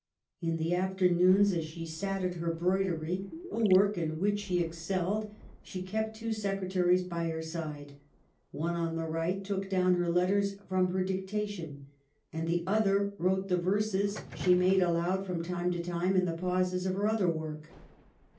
In the afternoons, as she sat at her broidery (a work in which she excelled), she kept two sec retaries by her side. One, on the right, took down her letters from her dictation ; and the other wrote the verses she made aloud from time to time in the pauses of her other work.